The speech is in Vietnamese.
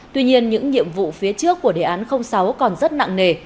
tuy nhiên những nhiệm vụ phía trước của đề án sáu còn rất nặng nề